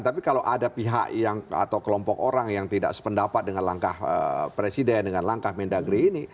tapi kalau ada pihak yang atau kelompok orang yang tidak sependapat dengan langkah presiden dengan langkah mendagri ini